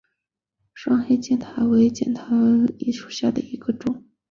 双黑带尖胸沫蝉为尖胸沫蝉科尖胸沫蝉属下的一个种。